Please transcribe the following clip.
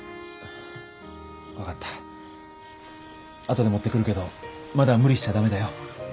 後で持ってくるけどまだ無理しちゃ駄目だよ。